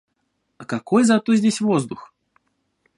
Какой зато здесь воздух!